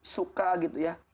suka gitu ya